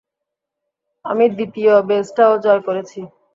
আমি দ্বিতীয় বেসটাও জয় করেছি!